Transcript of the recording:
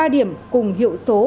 ba điểm cùng hiệu số